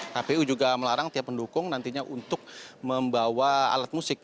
kpu juga melarang tiap pendukung nantinya untuk membawa alat musik